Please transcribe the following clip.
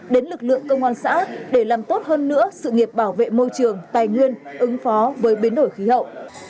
đến lực lượng công an xã để làm tốt hơn nữa sự nghiệp bảo vệ môi trường tài nguyên ứng phó với biến đổi khí hậu